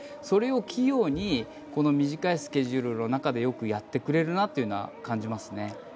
それを器用に短いスケジュールの中でよくやってくれるなと感じます。